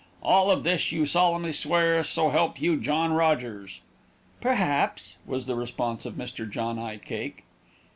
All of this you solemnly swear, so help you John Rogers." "Perhaps," was the response of Mr. John I. Cake.